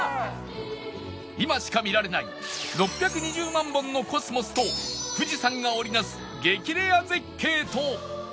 今しか見られない６２０万本のコスモスと富士山が織り成す激レア絶景と